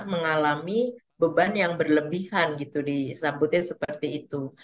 mengalami beban yang berlebihan gitu disambutnya seperti itu